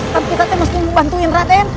tapi kita harus membantuin raten